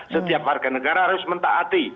setiap warga negara harus mentaati